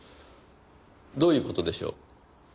どういう事でしょう？